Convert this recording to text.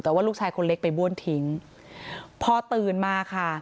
แต่ว่าลูกชายคนเล็กไปบ้วนทิ้งพอตื่นมาค่ะ